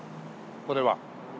これは。